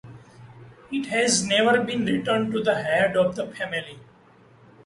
It has never been returned to the head of the family.